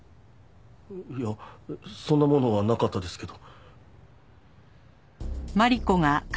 いやそんなものはなかったですけど。